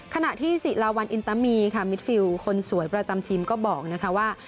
ขณะที่ศิลาวันอินตามีค่ะมิดฟิลคนสวยประจำทีมก็บอกนะคะว่า